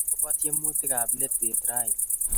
achobegei akobo tiemutik ab let pet raini